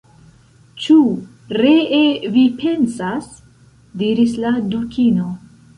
"Ĉu ree vi pensas?" diris la Dukino.